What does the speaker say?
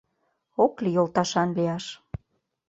Ок лий йолташан лияш.